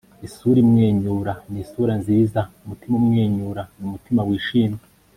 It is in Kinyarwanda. isura imwenyura ni isura nziza. umutima umwenyura ni umutima wishimye